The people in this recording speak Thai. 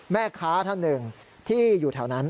แม่ค้าท่านหนึ่งที่อยู่แถวนั้น